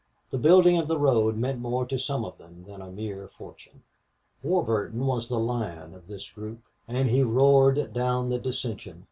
The building of the road meant more to some of them than a mere fortune. Warburton was the lion of this group, and he roared down the dissension.